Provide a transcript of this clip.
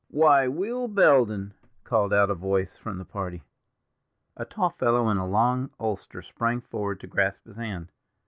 "Why, Will Belden!" called out a voice from the party. A tall fellow in a long ulster sprang forward to grasp his hand.